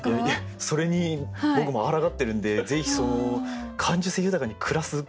それに僕もあらがってるんでぜひその感受性豊かに暮らすコツを。